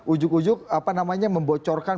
ujug ujug apa namanya membocorkan